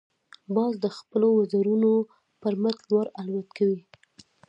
باز د خپلو وزرونو پر مټ لوړ الوت کوي